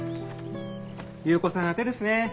優子さん宛ですね。